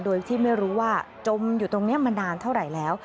โดยที่ไม่รู้ว่าจมอยู่ตรงนี้มานานเท่าไหร่แล้ว